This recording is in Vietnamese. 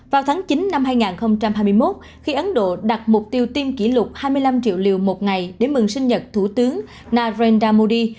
vào tháng chín năm hai nghìn hai mươi một khi ấn độ đặt mục tiêu tiêm kỷ lục hai mươi năm triệu liều một ngày để mừng sinh nhật thủ tướng narendra modi